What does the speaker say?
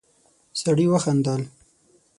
سړی وخندل.